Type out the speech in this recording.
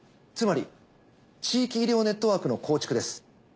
つまり地域医療ネットワークの構築です。